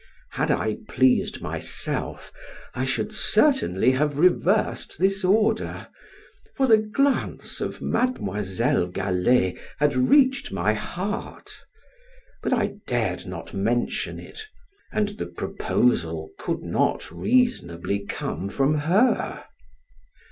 Had I pleased myself, I should certainly have reversed this order, for the glance of Mademoiselle Galley had reached my heart, but I dared not mention it, and the proposal could not reasonably come from her.